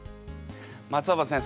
松尾葉先生